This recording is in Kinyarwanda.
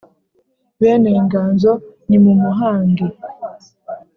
bene inganzo nimumuhange